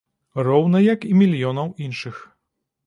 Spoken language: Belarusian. Роўна як і мільёнаў іншых.